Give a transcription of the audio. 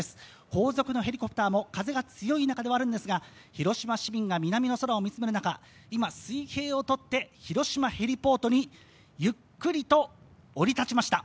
後続のヘリコプターも、風が強い中ではあるんですが、広島市民が南の空を見つめる中、今、水平をとって、広島ヘリポートにゆっくりと降り立ちました。